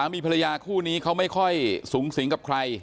มีภรรยาคู่นี้เขาไม่ค่อยสูงสิงกับใคร